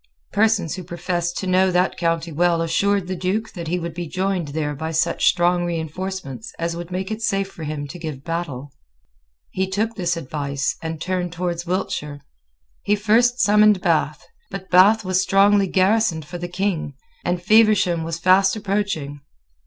Persons who professed to know that county well assured the Duke that he would be joined there by such strong reinforcements as would make it safe for him to give battle. He took this advice, and turned towards Wiltshire. He first summoned Bath. But Bath was strongly garrisoned for the King; and Feversham was fast approaching.